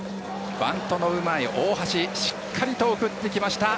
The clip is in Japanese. バントのうまい大橋しっかりと送ってきました。